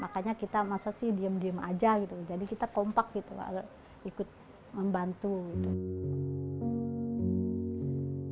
makanya kita masa sih diem diem aja gitu jadi kita kompak gitu ikut membantu gitu